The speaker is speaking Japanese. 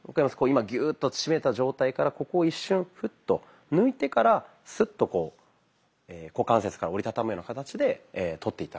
今ギューッと締めた状態からここを一瞬フッと抜いてからスッとこう股関節から折り畳むような形でとって頂くと。